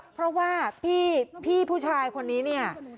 เพราะว่าพี่ผู้ชายคนนี้เนี่ย